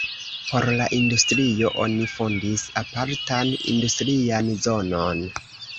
Por la industrio oni fondis apartan industrian zonon.